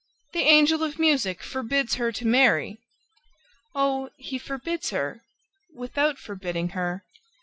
... The Angel of Music forbids her to marry!" "Oh, he forbids her ... without forbidding her.